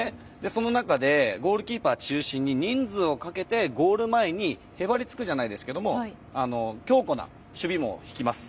その中で、ゴールキーパー中心に人数をかけてゴール前にへばりつくじゃないですけど強固な守備網を敷きます。